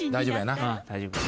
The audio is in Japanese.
大丈夫。